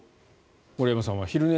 森山さんは。